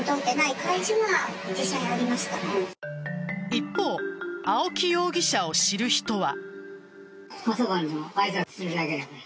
一方、青木容疑者を知る人は。